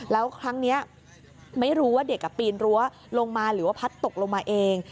แล้วครั้งนี้ไม่รู้ว่าเด็กปีนรั้วลงมาหรือว่าพัดตกลงมาเอง